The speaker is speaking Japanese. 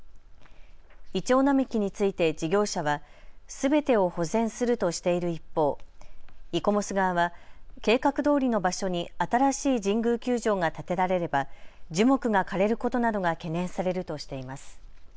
イチョウ並木について事業者はすべてを保全するとしている一方、イコモス側は計画どおりの場所に新しい神宮球場が建てられれば樹木が枯れることなどが懸念されるとしています。